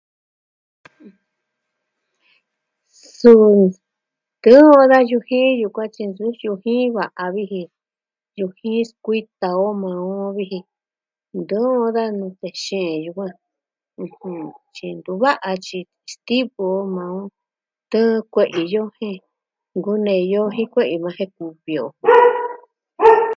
Suu tɨɨn on da yujin yukuan tyi o yujin o va a viji. Yujin skuii ta'an o maa o vi ji. Ntɨɨn daa nutee xeen yukuan, tyi ntu va'a tyi ɨjɨn, stivɨ maa o. Tɨɨn kue'i yoo jen nkune'i yoo jin kue'i yukuan jen ku'vi o.